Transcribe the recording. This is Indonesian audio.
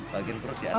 bagian perut di atas